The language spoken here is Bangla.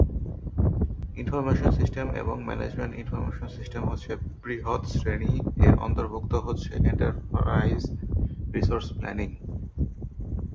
ইনফরমেশন সিস্টেম এবং ম্যানেজমেন্ট ইনফরমেশন সিস্টেম হচ্ছে বৃহৎ শ্রেণী, এর অন্তর্ভুক্ত হচ্ছে এন্টারপ্রাইজ রিসোর্স প্ল্যানিং।